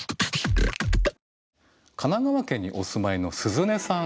神奈川県にお住まいのすずねさん。